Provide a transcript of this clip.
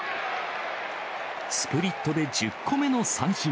スプリットで１０個目の三振。